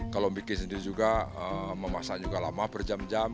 kalau bikin sendiri juga memasak juga lama berjam jam